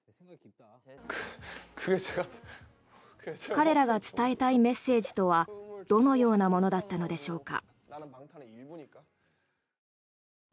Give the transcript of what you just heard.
彼らが伝えたいメッセージとはどのようなものだったのでしょうか。